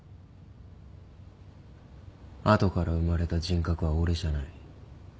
後から生まれた人格は俺じゃない。